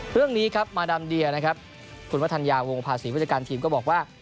เรื่องนี้ครับมาดามเดียนะครับคุณวัฒนยาวงภาษีผู้จัดการทีมก็บอกว่า